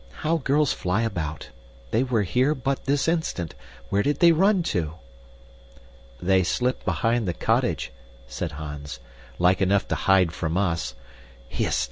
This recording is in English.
How girls fly about! They were here but this instant. Where did they run to?" "They slipped behind the cottage," said Hans, "like enough to hide from us. Hist!